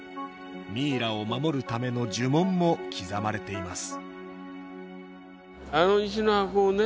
ミイラを守るための呪文も刻まれています